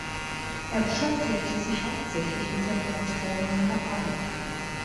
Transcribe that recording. Er beschäftigte sich hauptsächlich mit der Porträtmalerei.